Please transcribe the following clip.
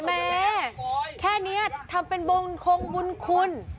แม่แค่นี้ทำเป็นบุญคงบุญคุณ